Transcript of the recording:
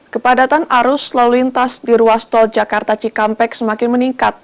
kepadatan arus lalu lintas di ruas tol jakarta cikampek semakin meningkat